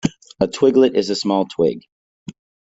A twiglet is a small twig.